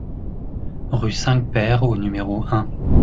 Rue Cinq-Pères au numéro un